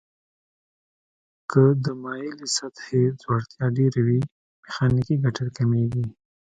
که د مایلې سطحې ځوړتیا ډیر وي میخانیکي ګټه کمیږي.